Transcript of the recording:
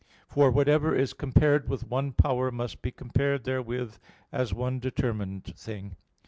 For whatever is compared with one power must be compared therewith as one determined thing.